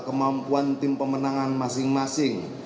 kemampuan tim pemenangan masing masing